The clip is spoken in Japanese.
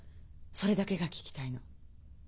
それだけが聞きたいの。